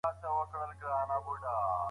علمي څېړنه بیا ټاکلي ستونزي له منځه وړي.